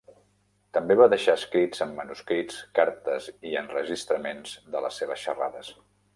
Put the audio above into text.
També va deixar escrits en manuscrit, cartes i enregistraments de les seves xerrades.